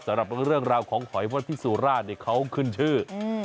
สำหรับเรื่องราวของหอยพ่อพี่สุราเขาขึ้นชื่อ